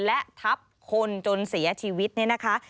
และทับคนจนเสียชีวิตเนี่ยนะคะ